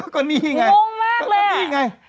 ก็นี่ไงโง่มากเลยอะ